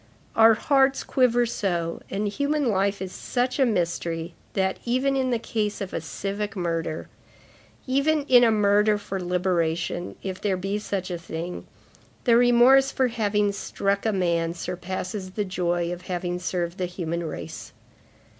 Our hearts quiver so, and human life is such a mystery that, even in the case of a civic murder, even in a murder for liberation, if there be such a thing, the remorse for having struck a man surpasses the joy of having served the human race."